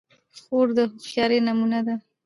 خور د هوښیارۍ نمونه ده.